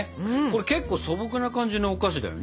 結構素朴な感じのお菓子だよね。